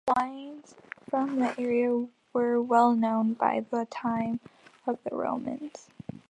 Wines from the area were well known by the time of the Romans.